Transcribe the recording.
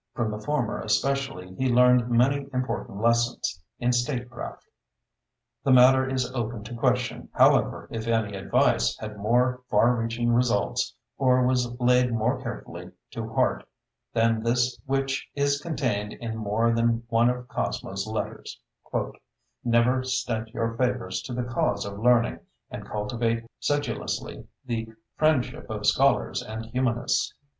From the former especially he learned many important lessons in statecraft. The matter is open to question, however, if any advice had more far reaching results or was laid more carefully to heart than this which is contained in more than one of Cosmo's letters: "Never stint your favors to the cause of learning, and cultivate sedulously the friendship of scholars and humanists."